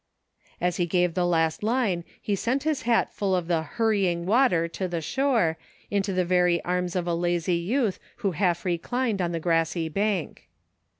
As he gave the last line he sent his hat full of the " hurrying " water to the shore, into the very arms of a lazy youth who half reclined on a grassy bank.